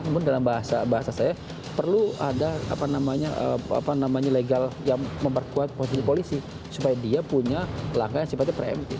namun dalam bahasa saya perlu ada legal yang memperkuat posisi polisi supaya dia punya langkah yang sifatnya preemptif